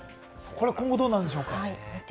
今後どうなるのでしょうか？